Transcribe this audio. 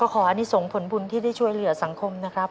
ก็ขออนิสงค์ผลบุญที่ได้ช่วยเหลือสังคมนะครับ